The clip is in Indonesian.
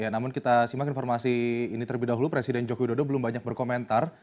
namun kita simak informasi ini terlebih dahulu presiden joko widodo belum banyak berkomentar